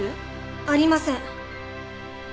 ありません。